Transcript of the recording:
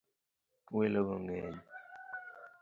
Welo go ngeny.